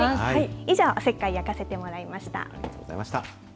以上、おせっかい焼かせてもらいありがとうございました。